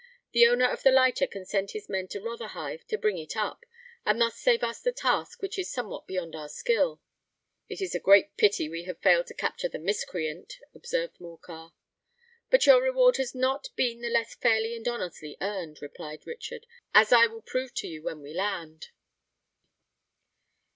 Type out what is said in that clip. The owner of the lighter can send his men to Rotherhithe to bring it up, and thus save us a task which is somewhat beyond our skill." "It is a great pity we have failed to capture the miscreant," observed Morcar. "But your reward has not been the less fairly and honestly earned," replied Richard; "as I will prove to you when we land."